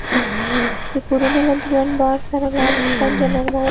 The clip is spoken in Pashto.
د پورونو له دروند بار سره لاس و پنجه نرموله